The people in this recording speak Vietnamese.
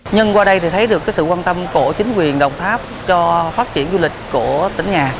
nhưng qua đây thì thấy được sự quan tâm của chính quyền đồng tháp cho phát triển du lịch của tỉnh nhà